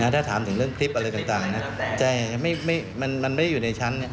ถ้าถามถึงเรื่องคลิปอะไรต่างแต่มันไม่ได้อยู่ในชั้น